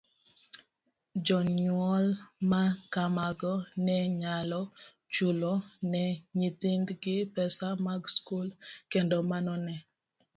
Jonyuol ma kamago ne nyalo chulo ne nyithindgi pesa mag skul, kendo mano ne